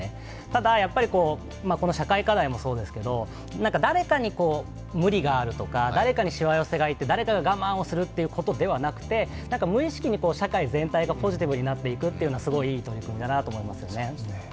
ただ、この社会課題もそうですけど誰かに無理があるとか、誰かにしわ寄せが行って誰かが我慢するということではなくて、無意識に社会全体がポジティブになっていくというのはすごいいいなと思いますね。